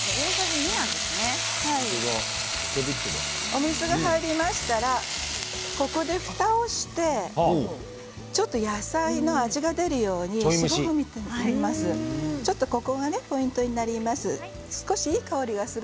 お水が入りましたらここでふたをしてちょっと野菜の味が出るようにここがポイントになります。